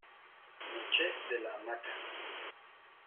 me eché de la hamaca.